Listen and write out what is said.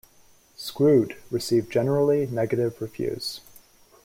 "Screwed" received generally negative reviews.